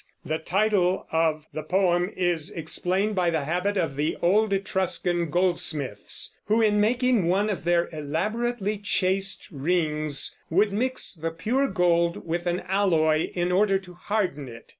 The title of the poem is explained by the habit of the old Etruscan goldsmiths who, in making one of their elaborately chased rings, would mix the pure gold with an alloy, in order to harden it.